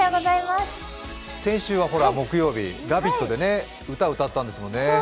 先週は木曜日、「ラヴィット！」で歌歌ったんですもんね。